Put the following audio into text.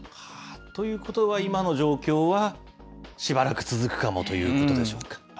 ということは、今の状況は、しばらく続くかもということでし